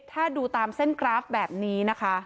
ถ้าดูตามเส้นกราฟแบบนี้นะคะ